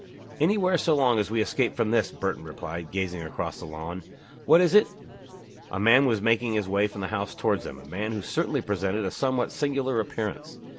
"Anywhere so long as we escape from this," Burton replied, gazing across the lawn. "What is it?" A man was making his way from the house towards them, a man who certainly presented a somewhat singular appearance.